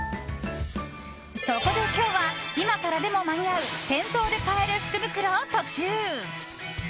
そこで今日は今からでも間に合う店頭で買える福袋を特集。